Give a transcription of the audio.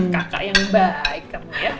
kakak yang baik